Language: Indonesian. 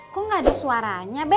kok gak ada suaranya bek